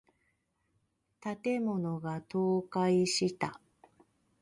建物が倒壊した。